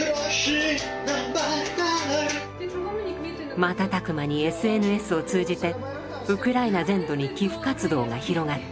瞬く間にＳＮＳを通じてウクライナ全土に寄付活動が広がった。